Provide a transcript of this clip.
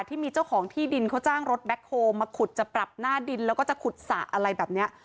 ที่มีเจ้าของที่ดินเขาจ้างรถแบ็คโฮลมาขุดจะปรับหน้าดินแล้วก็จะขุดสระอะไรแบบนี้